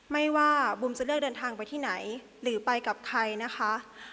ไม่ว่าบุมจะเลือกเดินทางไปที่ไหนหรือไปกับใครนะคะ